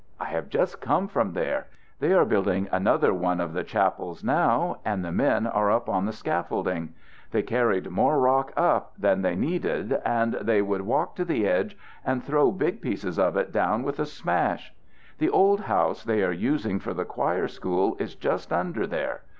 I have just come from there. They are building another one of the chapels now, and the men are up on the scaffolding. They carried more rock up than they needed and they would walk to the edge and throw big pieces of it down with a smash. The old house they are using for the choir school is just under there.